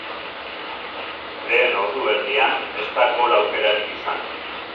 Lehen ordu erdian ez da gol-aukerarik izan.